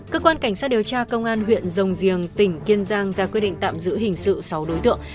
cơ quan cảnh sát điều tra công an huyện rồng riềng tỉnh kiên giang ra quyết định tạm giữ hình sự sáu đối tượng